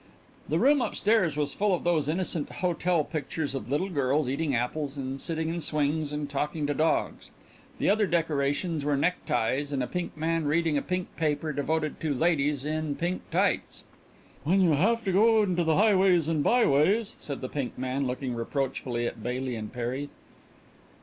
The room up stairs was full of those innocent hotel pictures of little girls eating apples and sitting in swings and talking to dogs. The other decorations were neckties and a pink man reading a pink paper devoted to ladies in pink tights. "When you have to go into the highways and byways " said the pink man, looking reproachfully at Baily and Perry.